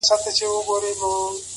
اوس په فلسفه باندي پوهېږمه”